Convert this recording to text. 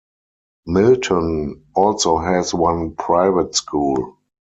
Milton also has one private school.